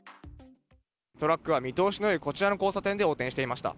トラックは見通しのよいこちらの交差点で横転していました。